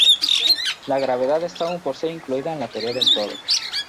La gravedad está aún por ser incluida en la teoría del todo.